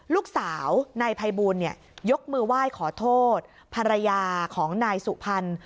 ลูกสาวนายภัยบูลยกมือไหว้ขอโทษภรรยาของนายสุพรรณ